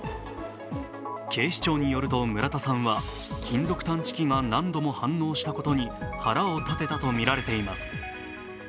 警視庁によると村田さんは金属探知機が何度も反応したことに腹を立てたと見られています。